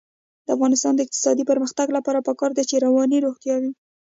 د افغانستان د اقتصادي پرمختګ لپاره پکار ده چې رواني روغتیا وي.